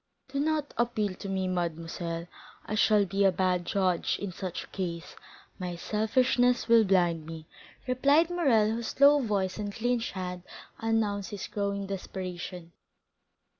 "Do not appeal to me, mademoiselle; I shall be a bad judge in such a case; my selfishness will blind me," replied Morrel, whose low voice and clenched hands announced his growing desperation.